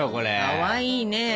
かわいいね。